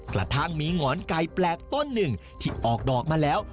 กระทั่งมีหงอนไก่แปลกต้นหนึ่งที่ออกดอกมาแล้ว